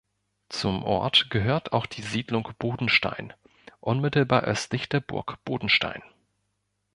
Zum Ort gehört auch die Siedlung Bodenstein unmittelbar östlich der Burg Bodenstein.